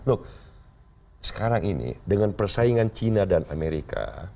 loh sekarang ini dengan persaingan cina dan amerika